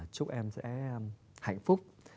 chúc em sẽ hạnh phúc